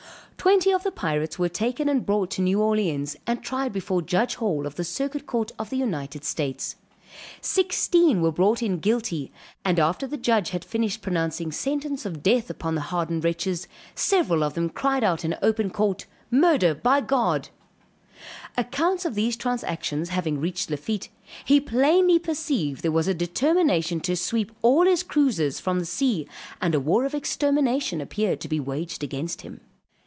Twenty of the pirates were taken and brought to New Orleans, and tried before Judge Hall, of the Circuit Court of the United States, sixteen were brought in guilty; and after the Judge had finished pronouncing sentence of death upon the hardened wretches, several of them cried out in open court, Murder by God. Accounts of these transactions having reached Lafitte, he plainly perceived there was a determination to sweep all his cruisers from the sea; and a war of extermination appeared to be waged against him.